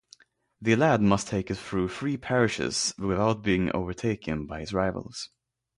The lad must take it through three parishes without being overtaken by his rivals.